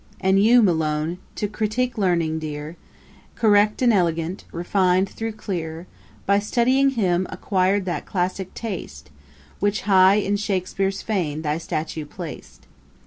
And you, MALONE, to critick learning dear. Correct and elegant, refin'd though clear, By studying him, acquir'd that classick taste, Which high in Shakspeare's fane thy statue plac'd.